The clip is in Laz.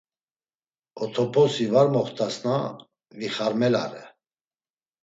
Otoposi var moxtasna vixarmelare.